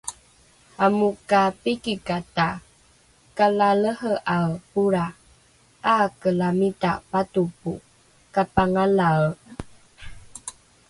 Amo ka pikikata kalalehe'ae polra, 'aakelamita patopo kapangalae